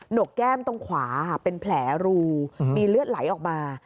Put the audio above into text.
หกแก้มตรงขวาเป็นแผลรูมีเลือดไหลออกมา